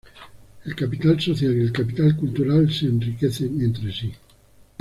El capital social y el capital cultural se enriquecen entre sí.